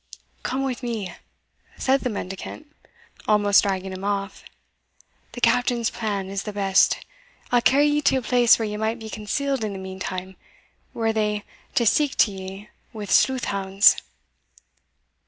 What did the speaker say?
"Come with me," said the mendicant, almost dragging him off; "the Captain's plan is the best I'll carry ye to a place where ye might be concealed in the meantime, were they to seek ye 'wi' sleuth hounds."